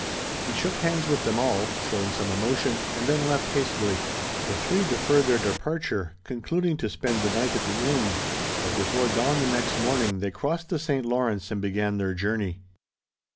He shook hands with them all, showing some emotion, and then left hastily. The three deferred their departure, concluding to spend the night at the inn, but before dawn the next morning they crossed the St. Lawrence and began their journey.